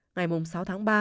ngày sáu tháng ba